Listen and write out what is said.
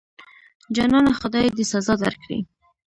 جانانه خدای دې سزا درکړي.